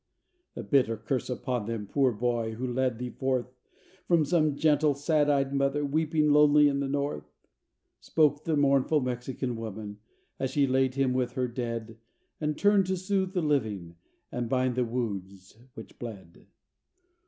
"A bitter curse upon them, poor boy, who led thee forth, From some gentle sad eyed mother, weeping, lonely in the North!" Spoke the mournful Mexic woman, as she laid him with her dead, And turn'd to soothe the living, and bind the wounds which bled.